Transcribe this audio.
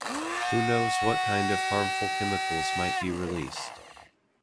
Who knows what kind of harmful chemicals might be released?